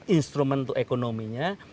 instrumen untuk ekonominya